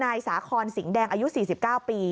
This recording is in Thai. นายสาคอนสิงห์แดงอายุ๔๙ปี